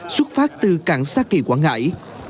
xuất phát từ cảng xác kỳ quảng ngãi